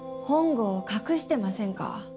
本郷を隠してませんか？